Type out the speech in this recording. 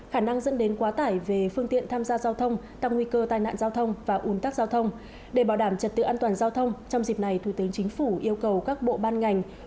trong dịp này thủ tướng chính phủ yêu cầu các bộ ban ngành